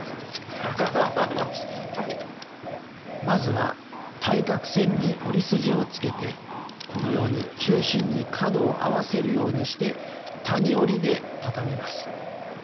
まずは対角線に折り筋をつけてこのように中心に角を合わせるようにして谷折りで畳みます。